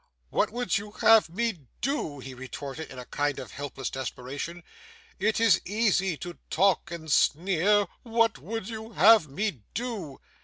'What would you have me do?' he retorted in a kind of helpless desperation. 'It is easy to talk and sneer. What would you have me do?